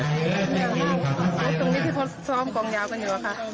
ถึงตรงนี้ที่พบซ้อมกองยากันอยู่